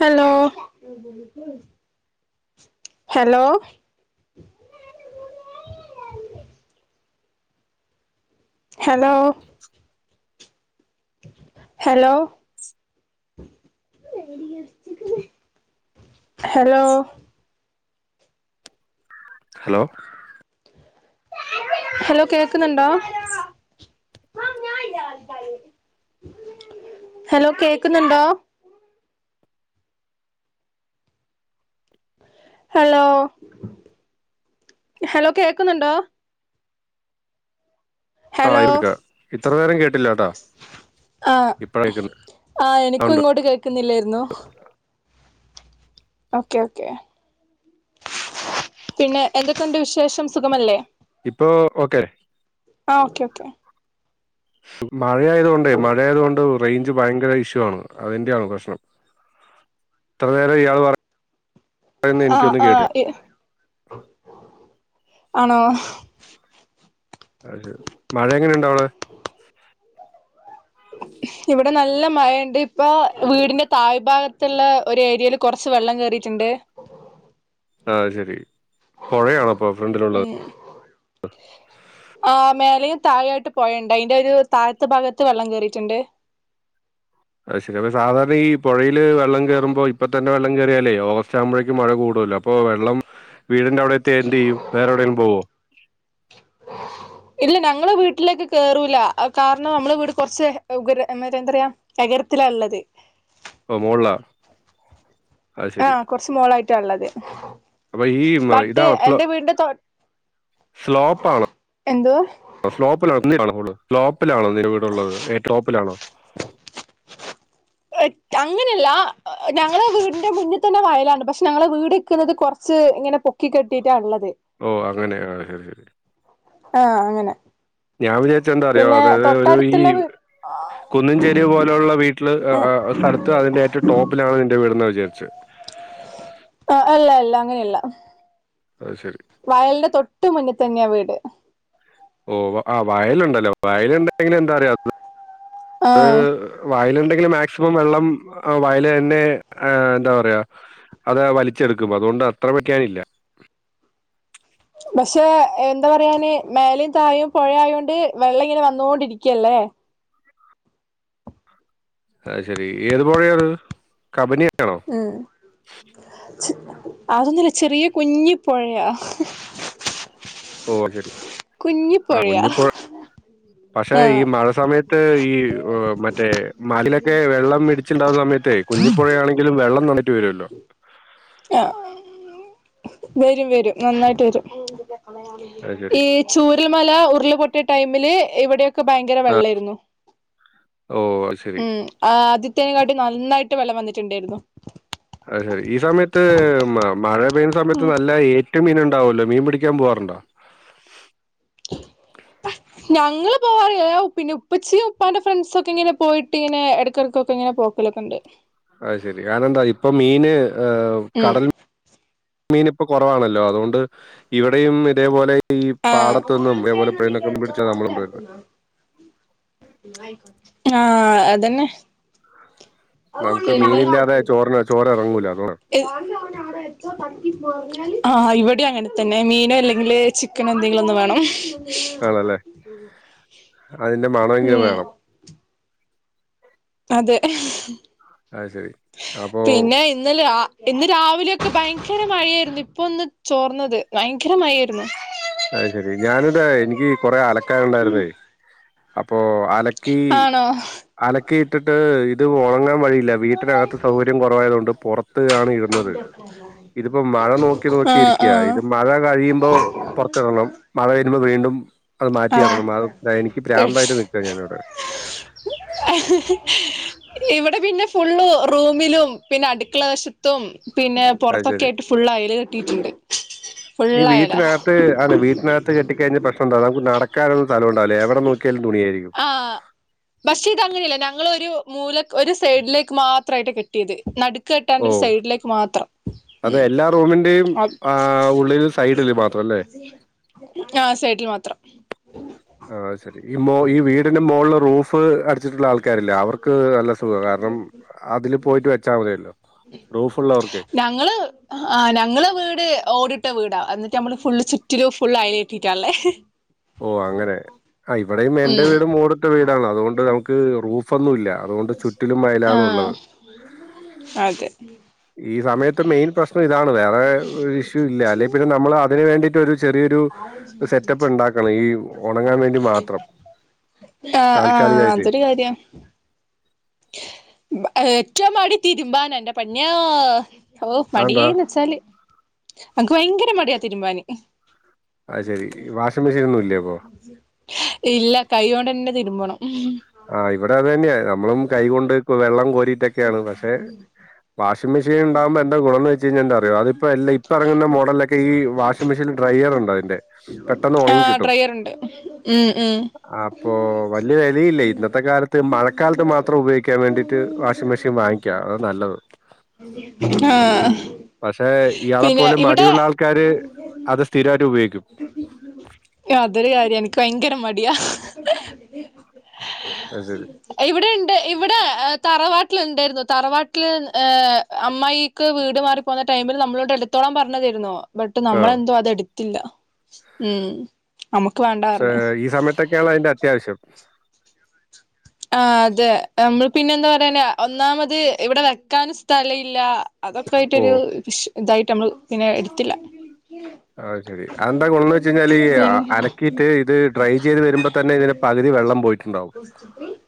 Hello hello hello [inaudible] hello [inaudible] hello hello hello കേക്കുന്നുണ്ടോ hello കേക്കുന്നുണ്ടോ hello hello കേക്കുന്നുണ്ടോ ആഹ് ഹലോ എപ്പ ഇത്ര നേരം കേട്ടില്ല കേട്ടോ ആഹ് ഇപ്പ കേക്കുന്നേ ആഹ് എനിക്കും ഇങ്ങോട്ട് കേൾക്കുന്നില്ലായിരുന്നു ഓക്കെ ഓക്കെ പിന്നെ എന്തൊക്കെയുണ്ട് വിശേഷം സുഖമല്ലേ ഇപ്പൊ ഓക്കെ ആ ഓക്കെ ഓക്കെ മഴയായതുകൊണ്ടേ മഴയായതുകൊണ്ട് റേഞ്ച് ഭയങ്കര ഇഷ്യൂ ആണ് അതിന്റെയാണ് പ്രശ്നം ഇത്ര നേരം ഇയാള് വ ആഹ ആഹ ആണോ അ മഴ എങ്ങനെണ്ട് അവിടെ ഇവിടെ നല്ല മഴുണ്ട് ഇപ്പൊ വീടിന്റെ താഴ്ഭാഗത്തുള്ള ഒരു ഏരിയൽ കുറച്ച് വെള്ളം കേയറിയിട്ടുണ്ട് ആഹ ശരി പുഴയാണപ്പോ ഫ്രണ്ടിലുള്ളത് [unintelligible] ആ മേലയും താഴായായിട്ട് പോയണ്ട് അയിന്റെ ഒരു താഴത്തെ ഭാഗത്ത് വെള്ളം കേയറിയിട്ടുണ്ട് അത് ശരി അപ്പ സാധാരണ ഈ പുഴയില് വെള്ളം കയറുമ്പോ ഇപ്പൊ തെ വെള്ളം കയറിയാലേ ഓഗസ് ആകുമ്പോഴേക്ക്ഴ [unintelligible] അപ്പൊ വെള്ളം വീടിന്റെ അവിടെ എത്തി എന്ത് ചെയ്യും വേറെ എവിടേങ്കിലും പോവോ [unintelligible] ഇല്ല ഞങ്ങള വീട്ടിലേക്ക് കേറൂല കാരണം നമ്മള് വീട് കുറച്ച് മറ്റ എന്തറയാ എഗരത്തിലാള്ളത് ഓ മോളിലാ ആഹ കുറച്ച് മോളായിട്ട ഉള്ളത് അപ്പൊ ഈ മ- ബട്ട് ഇതാണോ സ്ലോ എന്റെ വീടിന്റെ തൊ എന്തുവാ ആ സ്ലോപ്പിലോ സ്ലോപ്പിലാണോ നിൻ്റെ വീട്ള്ളത്ഏ ടോപ്പിലാണോ [inaudible] അങ്ങനെയല്ല ഞങ്ങളുടെ വീടിന്റെ മുന്നിൽ തന്നെ വയലാണ് പക്ഷെ ഞങ്ങളെ വീട് ഇരിക്കുന്നത് കുറച്ച് ഇങ്ങനെ പൊക്കി പൊക്കി കെട്ടിയിട്ടാ ഉള്ളത് ഓ അങ്ങനെെ ശരി ശരി ആഹ് അങ്ങനെ ഞാൻ വിചാരിച്ച എന്താ അറിയോ പിന്നെ അതായത് ഒരു ഈ തൊട്ടടുത്തുള്ള വീ കുന്നഞ്ചേരി പോലെയുള്ള വീട്ടില് ഉം സ്ഥലത്ത് അതിന്റെ ഏറ്റവും ടോപ്പിലാണ് നിന്റെ വീട്ന്ന് വിചാരിച്ചച്ച്. ആഹ് അല്ല അല്ല അങ്ങനെയല്ല. അത് ശരി വയലിന്റെ തൊട്ട് മുന്നിൽ തന്നെയ വീട്. ഓ ആ വയലുണ്ടല്ലോ വയലുണ്ടെങ്കിൽ എന്താ പറയ്യാ ആഹ് വയലുണ്ടെങ്കിൽ മാക്സിമം വെള്ളം വയൽ തന്നെ ആഹ് എന്താ പറയാ അത് വലിച്ചെടുക്കും അതുകൊണ്ട് അത്ര പറ്റിയാനല്ല. പക്ഷെ എന്താ പറയാന് മേലും തായും പുഴ ആയോണ്ട് വെള്ളം ഇങ്ങനെ വന്നോൊണ്ടിരിക്കയല്ലേ? അത് ശെരി ഏതു പുഴയാണ് അത് കബനിയാണോ? ഉം അതൊന്നുമല്ല. ചെറിയ കുഞ്ഞി പുഴയാ ഓ ശരി. കുന്നി പുഴയാ. പക്ഷെ ഈ ആഹ് മഴ സമയത്ത് ഈ മറ്റേ മാലിലൊക്കെ വെള്ളം ഇടിച്ച് അച്ചുണ്ടാക സമയത്തേ കുഞ്ഞിുഴണെങ്കിലും വെള്ളം നിട്ട് വരുമല്ലോ? ആ വരും വരും നന്നായിട്ട് വരും അത് ശരി. ഈ ചൂരിൽമല ഉരുളപൊട്ടിയ ടൈമില് ഇവിടെയോ ഒക്കെ ഭയങ്കര വെള്ളമായിരുന്നു ഓഹ്! അത് ശരി. ഉം. അത്യത്തേകാട്ടിൽ നന്നായിട്ട് വെള്ളം വന്നിട്ടുണ്ടായിരുന്നു. അ ഈ സമയത്ത് മഴ പെയ്യുന്ന സമയത്ത് നല്ല ഏ മീൻ ഉണ്ടാവല്ലോ മീൻ പിടിക്കാൻ പോവാറുണ്ടോ? [inaudible] ഞങ്ങൾ പോവാറില്ല. പിന്നെ ഉപ്പച്ചയും ഉപ്പാന്റെ ഫ്രണ്ട്സ ഒക്കെ ഇങ്ങനെ പോയിട്ട് ഇങ്ങനെ ഇടക്കടക്കൊക്കെ ഇങ്ങനെ പോ കാറുണ്ട്. അ ശെരി. ആയിനൻ്റ എന്താ ഇപ്പൊ മീന് ഉം കടൽ മീൻ ഇപ്പോ കുറവാണല്ലോ അതുകൊണ്ട് ഇവിടെയും ഇതേപോലെ ഈ ആഹ് പാടത്തുനിന്നും പുഴയിൽ നിന്നും ഒക്കെ പിടിച്ചാണ് നമ്മള് കൊണ്ട് വരുന്നേ. ആഹ് അതന്നെ. നമുക്ക് മീനില്ലാതെ ചോറിന ചോറ് ഇറങ്ങൂല [unintelligible] ആ ഇവിടെ അങ്ങനെ തന്നെ മീനോ അല്ലെങ്കിൽ ചിക്കൻ ഇക്കനെ എന്തെങ്കിലും ഒന്ന് വേണം. ആണല്ലേ അതിന്റെ മണമെങ്കിലും ഉം വേണം. അതെ. അത് ശരി അപ്പൊ, പിന്നെ ഇന്നലെ ഇന്ന് രാവിലെയൊക്കെ ഭയങ്കര മഴായിരുന്നു ഇപ്പൊ ഒന്ന് ചോർന്നത് ഭ യങ്കര മഴ അർന്നു. അത് ശെരി ഞാനിന്താ എനിക്ക് കൊറെ അലക്കാന ഉണ്ടായിരുന്ന അപ്പൊ അലക്കി ആണോ അലക്കി ഇട്ടിട്ട് ഇത് ഉണങ്ങാൻ വഴിയില്ല. വീട്ട വീടിനകത്തു സൗകര്യം കുറവായതത് കൊണ്ട് പുറത്ത് ആണ് ഇടുന്നത്. ഇതിപ്പോ മഴ നോക്കി നോക്കി ആഹ് ഇരിക്കയാ ആഹ് ഇത് മഴ കഴിയുമ്പോ പുറത്തിറണം. മഴ വരുമ്പോ വീണ്ടും അത് ആഹ് മാറ്റിയിടണം എനിക്ക് പ്രാന്തമായിട്ട് നിൽക്കുക ഞാനിവിടെ. [inaudible] ഇവിടെ പിന്നെ ഫുള്ള് റൂമിലും പിന്നെ അടുക്കള വശത്തും പിന്നെ അത് പുറത്തൊക്കെ ശരി. ആയിട്ട് ഫുള് അയൽ കേട്ടിയിട്ടുണ്ട്. ഈ വീട്ടിനകത്ത് വീടിനകത്ത് കെട്ടി കഴിഞ്ഞാൽ പ്രശ്നം ഇണ്ട്. നടാനുള്ള സ്ഥം ഉണ്ടാവുല്ലാ എടെ നോക്കിയാലും തുണിയായിരിക്കും. ആഹ് പക്ഷെ ഇത് അങ്ങനെയല്ല ഞങ്ങളൊ ഒരു മൂല ഒരു സൈഡിലേക്ക് മാത്രമായിട്ട് കെട്ടിയത്. നടു ക്ക് കേട്ടണ്ട് ഒരു ഓഹ്. സൈഡിലേക്ക് മാത്രം. അത് എല്ലാ റൂമിന്റെയും ആഹ് ഉള്ളില് സൈഡില് മാത്രം അല്ലേ? ആ സൈഡിൽ മാത്രം. ആഹ ശരി. ഈ മൊ ഈ വീടിന്റെ മോളില റൂഫ് അ ടിച്ചിട്ടുള്ള ആൾക്കാരില്ലേ അവർക്ക് നല്ല സുഖം കാരണം. അതില് പോയിട്ട് വെച്ചാൽ മതിയല്ലോ. റൂഫുള്ളവർക്കെ ഞങ്ങള് ആ ഞങ്ങള് വീട് ഓടിട്ട വീടാ. എന്നിട്ട് നമ്മള് ഫുള്ള് ചുറ്റരു ഫുള് [unintelligible] [unintelligible] ഓ അങ്ങനെ. ആ ഇവിടെയും എന്റെ ഉം വീടും ഓടിട്ട വീടാണ്. അതുകൊണ്ട് നമുക്ക് റൂഫൊന്നും ഇല്ല. ആ അതെ. ഈ സമയത്ത് മെയിൻ പ്രശ്നം ഇതാണ്. വേറെ ഇഷ്യൂ ഇല്ല. അല്ലെ പിന്നെ നമ്മൾ അതിനന് വേണ്ടിയിട്ട് ഒരു ചെറിയൊരു സെറ്റപ്പ് ഉണ്ടാക്ക ണം. ഈ ഉണങ്ങാൻ വേണ്ടി മാത്രം ആഹ് ആഹ് താൽക്കാലികായിടട്ടെ. [unintelligible] ഏറ്റമാട് തീരുമ്പാന എൻറെ പൊന്നോ. ഓ അതെന്താ മടിയിന്ന് വച്ചാല്, അനക്ക് ഭയങ്കര മടിയാ തീരുമാന്. ആ ശരി വാഷിംഗ് മെഷീൻ ഒന്നും ഇല്ല അപ്പോ. ഇല്ല കൈകോണ്ട് തന്നെ തിരുമ്പണം. ആ ഇവിടെ അത് തന്നെയാ. നമ്മളും കൈകൊണ്ട് വെള്ളം കോരിട്ടൊക്കെയാണ്. പക്ഷെ വാഷിങ്ങ് മെഷൻ ഉണ്ടാകുമ്പോ എന്താ ഗുണംന്ന്‌ വെ ചാലെന്താന്നറിയോ അതി ഇപ്പ എല്ല ഇപ്പ ഇറങ്ങുന്ന മോഡലൊക്കെ, ഈ വാഷിംഗ് മെഷീൻ ഡ്രയർ ഉണ്ട് അതിന്റെ. പെട്ടെന്ന് ആ ഉണങ്ങി കിട്ടും ട്രയർ ഉണ്ട് ഉം ഉം. ഇപ്പൊ വല്യ വിലയില്ലേ. ഇന്നത്തെ കാലത്ത് മഴക്കാലത്ത് മാത്രം ഉപയോഗിക്കാൻ വേണ്ടിയിട്ട്, വാഷിംഗ് മെഷീൻ വാങ്ങിക്ക അതാണ് നല്ലത്. ആഹ. പക്ഷെ ഇയാളെപ്പോല മടിയുള്ള ആൾക്കാര് അത് സ്ഥിരായിട്ട് ഉപയോഗിക്കും. അതൊരു കാര്യാണ് എക്ക് ഭയങ്കര മടിയാ. അത് ശരി. ഇവിടെ ഇണ്ട്. ഇവിടെ തറവാട്ടിലുണ്ടെരുന്നു തറവാട്ടില് ഏഹ് അമ്മായി ക്ക് വീട് മാറി പോകുന്ന ടൈമിൽ നമ്മളോടെടുത്തോളാം പറഞ്ഞു തേര്ന്നു. ബട്ട് ആ നമ്മളെന്തോ അത എടുത്തില്ല. ഉം. നമുക്ക് വേണ്ട ക്ഷേ പറഞ്ഞ് ഈ സമയത്തൊക്കെയാണ് അതിന്റെ അത്യാവശ്യം. ആ അതെ നമ്മള് പിന്നെ എന്താ പറയാന്ന ഒന്നാമത് ഇവിടെ വെക്കാന് സ്ഥല ഇല്ല. അതൊക്കെ ഓ ആയിട്ടൊരു ഷ ഇതായിട്ട് നമ്മള് പിന്നെ എടുത്തില്ല. അ ശരി. അതെന്താ ഗുണംന്ന് വെച്ച കഴിഞാല്, പിൻ അലക്കിയിട്ട് ഇത് ഡ്രൈ ചെയ്ത് വരുമ്പോ തന്നെ ഇതിന പകുതി വെള്ളം പോയിട്ടുണ്ടാവും. [unintelligible]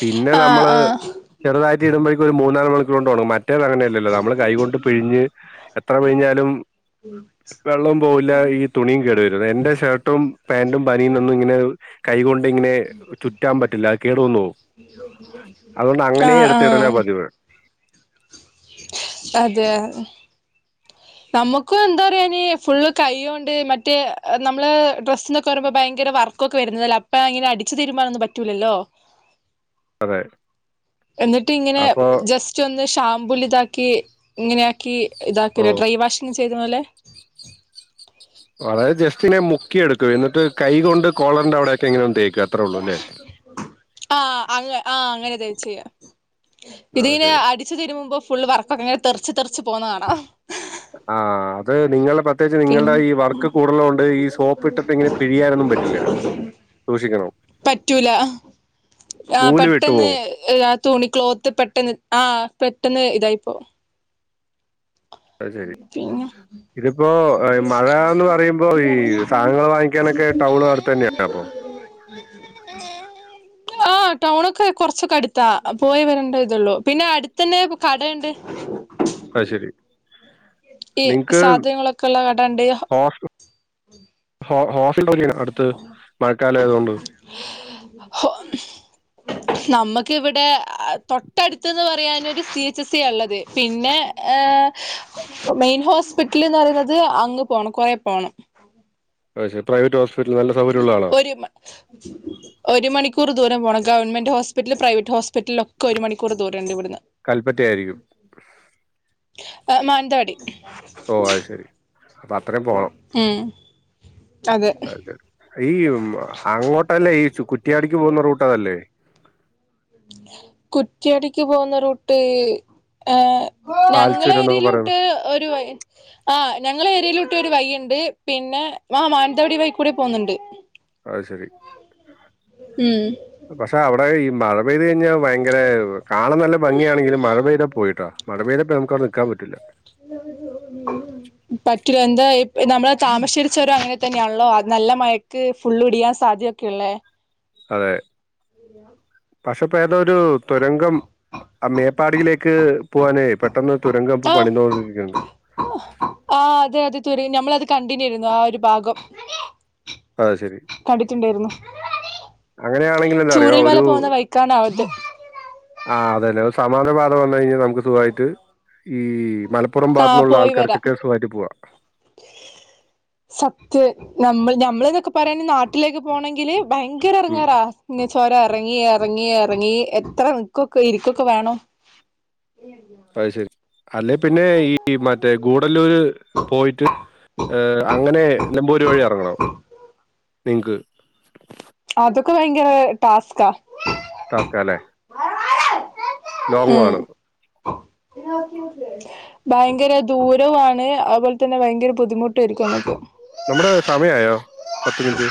പിന്നെ ആഹ് നമ്മള് ആഹ് ചെറുതായിട്ട് ഇടുമ്പോഴ ക്ക് ഒരു മൂന്നാല് മണിക്കൂർ കൊണ്ടോണങ്ങും. മറ്റേത് അങ്ങനെയല്ലല്ലോ നമ്മള് കൈ കൊണ്ട് പിഴഞ്ഞ് എത്ര പിഴിഞ്ഞാലും, [unintelligible] വെള്ളം പോകില്ല ഈ തുണിയും കേടുവരുന്നു. എന്റെ ഷർട്ടും പാന്റും ബനിയൊന്നും ഇങ്ങനെ കൈകൊണ്ടിങ്ങനെ ചുറ്റാൻ പറ്റില്ല. കേടന്നോകും. ആഹ ആ. എടുത്തിടലാ പതിവ് അതേ. നമുക്ക എന്താ പറയാ അയിന്, ഫുള്ള് കൈകൊണ്ട് മറ്റേ നമ്മള് ഡ്രസ്സനൊക്കെ പറയുമ്പോ ഭയങ്കര വർ കൊക്കെ വരുന്നതല്ലേ. അപ്പ അങ്ങനെ അടിച്ചു തീരുമാനൊന്നും പറ്റൂലല്ലോ. അതെ എന്നിട്ട് ഇങ്ങനെ അപ്പോ ജസ് റ്റൊന്ന് ഷാമ്പൂല് ഇതാക്കി ഇങ്ങനെയ ആക്കി, ഇതാകുലെ ഓ ഡ്രൈ വാഷിങ്ങ് ചെയുന്നപോലെ. അതായതു ജസ്റ്റിങ്ങനെ മുക്കിയെടുക്കും. എന്നിട്ട് കൈ കൊണ്ട് കോളറിന്റെ അവിടയൊക്കെ ഇങ്ങനെ ഒന്ന്‌ തേക്ക ആഹ അങ്ങ ആഹ അങ്ങനെ തേച് ചെയ്യ. ആ പിന്നെ അടിച്ചു തിരുമുമ്പോ ഫുൾ വർക്കെങ്ങനെ തെറിച്ച് തെറിച്ച് പോകുന്ന കാണാം. ആ അത് നിങ്ങളെ പ പ്രത്യകച്ച് നിങ്ങളടെ പിന്നെ ഈ വർക്ക് കൂടുതുക കൊണ്ട് ഈ സോപ്പ് ഇട്ട് ഇങ്ങനെ പിഴിയാനൊന്നും പറ്റില്ല സൂക്ഷിക്കണം പറ്റൂല ആ നൂല് പെട്ടെന്ന് വിട്ടുപോകും ആ ത തുണി ക്ലോത്ത് പെട്ടെന്ന് ആഹ പെട്ടെന്ന് ഇതായിപ്പോ അ ശരി പിന്നെ ഇതിപ്പോ മഴന്ന് പറയുമ്പോ ഈ സാധനങ്ങൾ വാങ്ങ ങ്ങികാനെക്കാ ടൗൺ അടുത്ത്തന്നെണ്ട അപ്പൊ [inaudible] ആഹ ടൗണൊക്കെ കൊറച്ചൊക്കെ അടുത്താ പോയി വരണ്ട ഇതള്ളൂ പിന്നെ അടുത്ത തന്നെ കടയുണ്ട് അ ശരി ഈ നിങ്ങക്ക് സാധനങ്ങളൊക്കെ ഉള്ള കടണ്ട് ഹോസ്- ഹോ ഹോസ് [unintelligible] അടുത്ത് മഴക്കാലം ആയതുക കൊണ്ട് [inaudible] നമക്ക് ഇവിടെ തൊട്ടടുത്തന്ന് പറയാനൊരു സി എച്ച് ഏച്ച സി ള്ളത് പിന്നെ മെ ഹോസ്പിറ്റൽ പറയുന്നത് പോണം കുറേ പോകണം പെ പ്രൈവറ്റ് ഹോസ്പിറ്റല് നല്ല സൗകര്യംള്ള ആണോ ഒരു ഒരു മണിക്കൂർ ദൂരം പോണം ഗവൺമെന്റ് ഹോസ്പിറ്റല് പ്രൈവറ്റ് ഹോസ് പറ്റിലൊക്കെ ഒരു മണിക്കൂർ ദൂരുണ്ട് ഇവിടുന്ന് കൽപ്പറ്റ ആയിരിക്കും ആ മാനന്തവാടി ഓ അത് ശെരി അപ്പൊ അത്രയും പോണം അത അത് ശരി ഈ അങ്ങോട്ടല്ലേ ഈ കുറ്റിയാടിക്ക് പോകുന്ന റൂട്ട്തല്ലേ [inaudible] കുറ്റിയടിക്ക് പോകുന്ന റൂട്ട് ഏ ഞങ്ങളെ പാൽച്ചൂരം എന്നൊക്കെ പറയുന്നത് എരിലോട്ട് ഒരു ആ ഞങ്ങൾ ഏരിയയിലോട്ട് ഒരു വഴിയുണ്ട് പിന്നെ ആ മാനന്തവാടി വൈകൂടെ പോകുന്നുണ്ട് [inaudible] അത് ശരി ഉം പക്ഷെ അവിടെ ഈ മഴ മഴ പെയ്ത് കഴിഞ്ഞാൽ ഭയങ്കര കാണാൻ നല്ല ഭംഗിയാണെങ്കും മഴ പെയ്ത പോയിട്ടോ മഴ പെയ്യിലപ്പോ നമുക്ക് അവർ നിൽക്കാൻ പറ്റില്ല [inaudible] പറ്റില്ല എന്താ നമ്മള് താമരശേരിച്ചരോ അങ്ങനെ തന്നെയാണല്ലോ അത് നല്ല മഴക്ക് ഫുള് ഒടിയാൻ സാധ്യത [unintelligible] അതെ പക്ഷെപ്പോ ഏതരു തുരങ്കം ആ മേപ്പാടിയിലേക്ക് പോകാന് പെട്ടെന്ന് തുരങ്കം പണി തോന്നിരിക്കുന്നുണ്ട് ആ അതെ അതെ തു ഞമ്മൾത് കണ്ടിനുരുന്നു ആ ഒരു ഭാഗം അത് ശരി. കണ്ടിട്ടുണ്ടായിരുന്നു അങ്ങനെയാണെങ്കിൽ എന്താറിയോ ചൂരൽമല ഒരു പോകുന്ന വഴിക്കാണ് അത് ആ അതല്ലെ സമാനപാത വന്നു കഴിഞ്ഞാൽ നമുക്ക് സുഖമായിട്ട് ഈ മല പുറം ആഹ് ഭാത്തന്നുള്ള പോയി വരാം ആൾക്കാർക്ക് സുകാമായിറ്റ് പോവാ [inaudible] സത്യ നമ്മൾ നമ്മൾ എന്നൊക്കെ പറയാന നാട്ടിലേക്ക് പോകണമെങ്കില് ഭയ ക്കാരെ ഉം. ഇടങ്ങാറാ ചോരം ഇറങ്ങി ഇറങ്ങി ഇറങ്ങി എത്ര ഇക്കൊക്കെ ഇരിക്കൊക്കെ വേണോ അത് ശരി അല്ലെ പിന്നെ ഈ മറ്റേ ഗൂടല്ലൂര് പോയിട്ട് ഏ അങ്ങനെ നിലപ്പൂർ വഴി ഇറങ്ങണ നിങ്ങക്ക് അതൊക്കെ ഭയങ്കര ടാസ്ക്കാ തക്കാലേ ഉം ഭയങ്കര ദൂരവാണ് അതുപോലെ തന്നെ ഭയങ്കര ബുദ്ധിമുട്ടായിരിക്കും നമ്മക്ക് നമ്മുടെ സമയയോ പത്ത് മിനിറ്റ്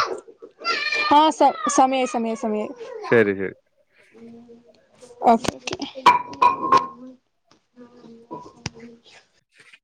ആഹ സ സമയായി സമയായി സമയായി ശരി ശരി ഓക്കെ [inaudible]